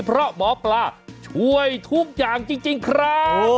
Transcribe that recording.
เพราะหมอปลาช่วยทุกอย่างจริงครับ